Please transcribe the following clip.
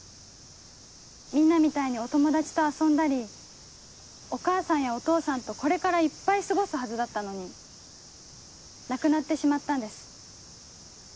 みんなみたいにお友達と遊んだりお母さんやお父さんとこれからいっぱい過ごすはずだったのに亡くなってしまったんです。